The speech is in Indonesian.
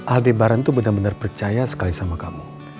aldebaran tuh bener bener percaya sekali sama kamu